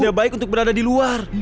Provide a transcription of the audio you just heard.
tidak baik untuk berada di luar